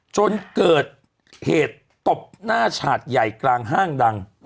จนเกิดเหตุตบหน้าฉาดใหญ่กลางห้างดัง